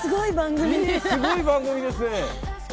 すごい番組ですね。